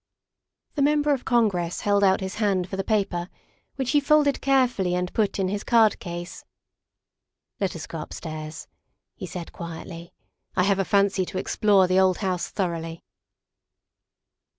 The Member of Congress held out his hand for the paper, which he folded carefully and put in his card case. " Let us go upstairs," he said quietly. " I have a fancy to explore the old house thoroughly."